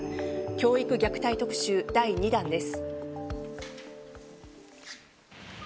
教育虐待特集第２弾です。